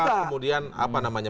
kemudian apa namanya